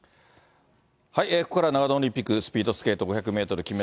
ここからは長野オリンピックスピードスケート５００メートル